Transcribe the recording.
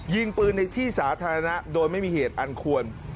ยิงปืนในที่สาธารณะโดยไม่มีเหตุอันควร